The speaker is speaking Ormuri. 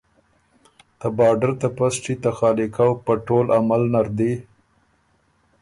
ته بارډر ته پسټي ته خالی کؤ پۀ ټول عمل نر دی